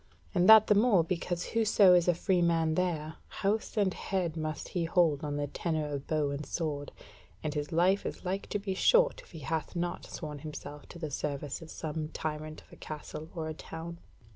And that the more because whoso is a free man there, house and head must he hold on the tenure of bow and sword, and his life is like to be short if he hath not sworn himself to the service of some tyrant of a castle or a town."